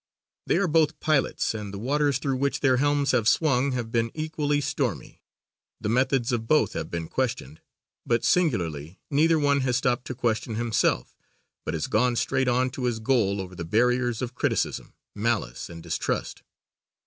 They are both pilots, and the waters through which their helms have swung have been equally stormy. The methods of both have been questioned; but singularly neither one has stopped to question himself, but has gone straight on to his goal over the barriers of criticism, malice and distrust.